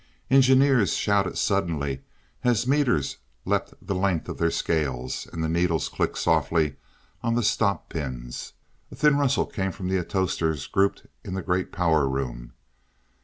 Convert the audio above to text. Engineers shouted suddenly as meters leapt the length of their scales, and the needles clicked softly on the stop pins. A thin rustle came from the atostors grouped in the great power room.